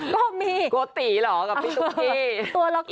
ก็มีก๊อตตีหรอกกับพี่ตุ๊กกี้